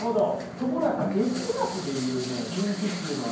ところがやっぱり哲学で言うね人気っていうのはね